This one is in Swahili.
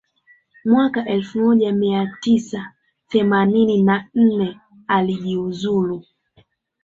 mwaka elfu moja mia tisa themanini na nne alijiuzulu